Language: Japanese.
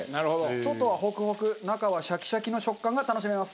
外はホクホク中はシャキシャキの食感が楽しめます。